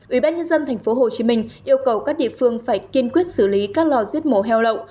ủy ban nhân dân tp hcm yêu cầu các địa phương phải kiên quyết xử lý các lò diết mổ heo lậu